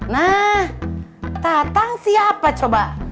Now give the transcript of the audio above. nah tatang siapa coba